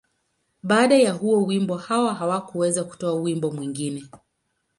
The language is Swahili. Baada ya huo wimbo, Hawa hakuweza kutoa wimbo mwingine.